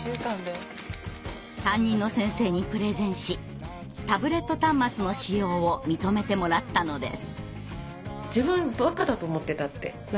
担任の先生にプレゼンしタブレット端末の使用を認めてもらったのです。